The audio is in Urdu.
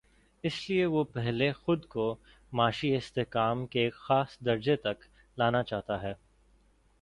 اس لیے وہ پہلے خود کو معاشی استحکام کے ایک خاص درجے تک لا نا چاہتا ہے۔